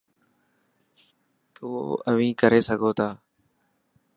تو اوهين ڪري سگهو تا.